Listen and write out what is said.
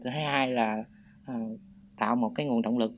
hai là tạo một nguồn động lực